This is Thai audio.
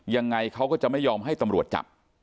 ยังไงเขาก็จะไม่ยอมให้ตำรวจจับ